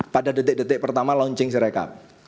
pada detik detik pertama launching serekap